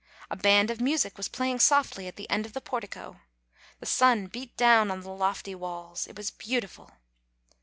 A band of music was playing softly at the end of the portico. The sun beat down on the lofty walls. It was beautiful.